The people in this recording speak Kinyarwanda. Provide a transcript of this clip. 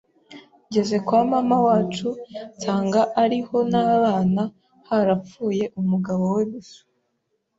ngeze kwa mama wacu nsanga ariho n’abana harapfuye umugabo we gusa